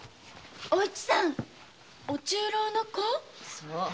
そう。